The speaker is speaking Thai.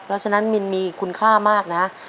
เพราะฉะนั้นมินมีคุณค่ามากนะ